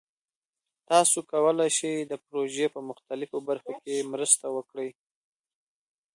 تاسو کولی شئ د پروژې په مختلفو برخو کې مرسته وکړئ.